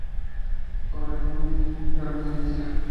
Obregón y Garmendia.